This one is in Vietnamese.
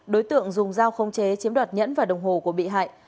đối tượng dùng dao không chế chiếm đoạt nhẫn và đồng hồ của bị hại